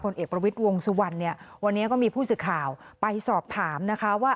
เอกประวิทย์วงสุวรรณเนี่ยวันนี้ก็มีผู้สื่อข่าวไปสอบถามนะคะว่า